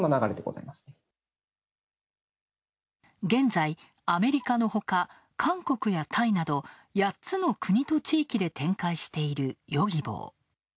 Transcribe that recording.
現在、アメリカのほか、韓国やタイなど８つの国と地域で展開しているヨギボー。